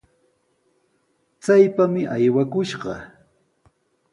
¡Chaypami aywakushqa!